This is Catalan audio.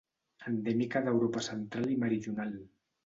Endèmica d'Europa central i meridional.